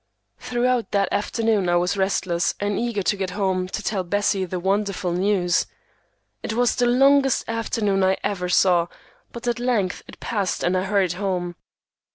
Throughout that afternoon I was restless, and eager to get home to tell Bessie the wonderful news. It was the longest afternoon I ever saw, but at length it passed and I hurried home.